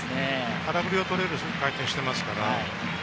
空振りが取れる回転をしていますから。